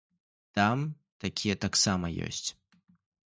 Там такія таксама ёсць.